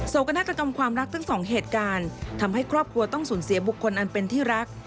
กนาฏกรรมความรักทั้งสองเหตุการณ์ทำให้ครอบครัวต้องสูญเสียบุคคลอันเป็นที่รัก